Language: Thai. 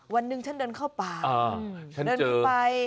วันหนึ่งฉันเดินเข้าป่าเดินไป